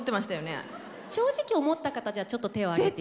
正直思った方じゃあちょっと手を挙げて頂いて。